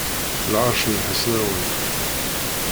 Lɛerc n Iḥesnawen.